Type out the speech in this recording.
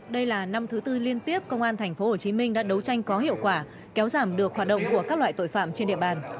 đây là năm thứ tư liên tiếp công an tp hcm đã đấu tranh có hiệu quả kéo giảm được hoạt động của các loại tội phạm trên địa bàn